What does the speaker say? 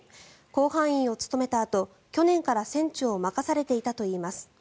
甲板員を務めたあと、去年から船長を任されていたといいます。